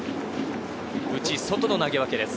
内外の投げ分けです。